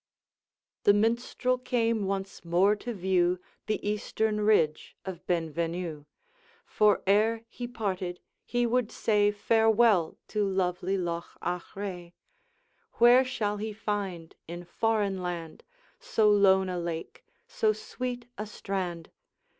'The Minstrel came once more to view The eastern ridge of Benvenue, For ere he parted he would say Farewell to lovely loch Achray Where shall he find, in foreign land, So lone a lake, so sweet a strand!